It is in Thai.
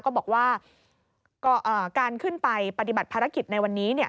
ก็บอกว่าการขึ้นไปปฏิบัติภารกิจในวันนี้